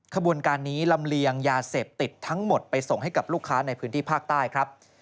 ขบวนการนี้ลำเลียงยาเสพติดทั้งหมดไปส่งให้กับลูกค้าในพื้นที่ภาคใต้ครับ